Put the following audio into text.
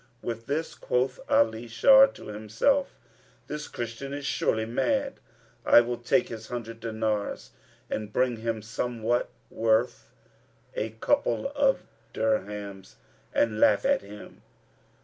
"[FN#286] With this, quoth Ali Shar to himself, "This Christian is surely mad; I will take his hundred dinars and bring him somewhat worth a couple of dirhams and laugh at him."